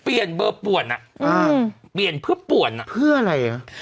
เบอร์ป่วนอ่ะอ่าเปลี่ยนเพื่อป่วนอ่ะเพื่ออะไรอ่ะ